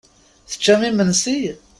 Teččam imensi?